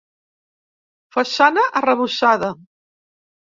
Façana arrebossada.